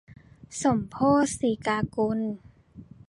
สมโภชน์ สีกากุล